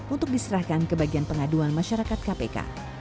untuk diserahkan ke bagian pengaduan masyarakat kpk